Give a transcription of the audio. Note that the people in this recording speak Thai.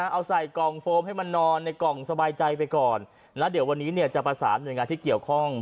เอาใส่กล่องโฟมให้มันนอนในกล่องสบายใจไปก่อน